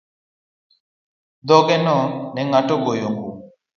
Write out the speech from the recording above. Dhogeno ne ng'ato ogoyo gum.